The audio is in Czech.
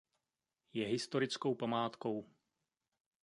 Je historickou památkou.